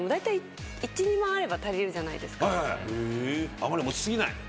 あまり持ちすぎない。